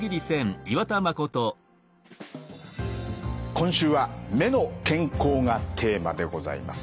今週は「目の健康」がテーマでございます。